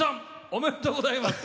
おめでとうございます。